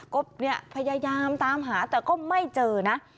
ก็เนี่ยพยายามตามหาแต่ก็ไม่เจอนะ